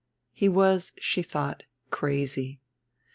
He was, she thought, crazy.